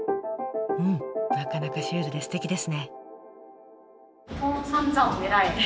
うんなかなかシュールですてきですね。